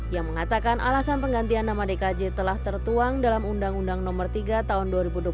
yang mengatakan alasan penggantian nama dkj telah tertuang dalam undang undang no tiga tahun dua ribu dua puluh